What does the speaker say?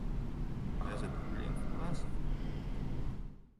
He has a degree in philosophy.